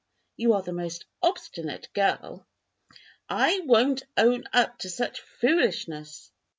you are the most obstinate girl!" "I won't own up to such foolishness!"